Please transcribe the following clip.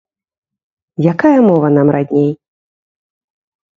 Якая мова нам радней?